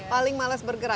paling malas bergerak